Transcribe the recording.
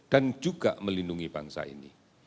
dan juga melindungi bangsa ini